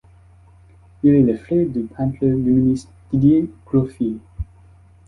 Il est le frère du peintre luministe Didier Groffier.